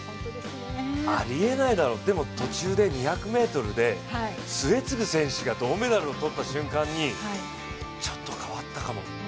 ありえないだろう、でも途中で２００ｍで末續選手が銅メダルを取った瞬間に、ちょっと変わったかも。